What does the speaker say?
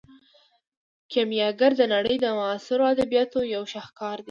کیمیاګر د نړۍ د معاصرو ادبیاتو یو شاهکار دی.